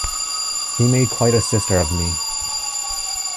He made quite a sister of me.